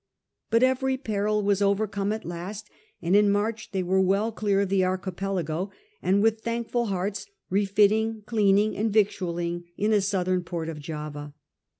But every peril was overcome at last, and in March they were well clear of the Archipelago, and with thankful hearts refitting, cleaning, and victualling in a southern port of Java.